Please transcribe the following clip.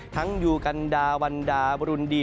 ทั้งยูกันดาวันดาวรุณดี